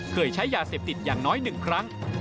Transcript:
เคยใช้ยาเสพติดอย่างน้อย๑ครั้ง